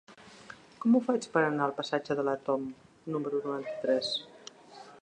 Com ho faig per anar al passatge de l'Àtom número noranta-tres?